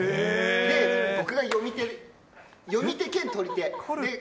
で、僕が読み手、読み手兼取り手。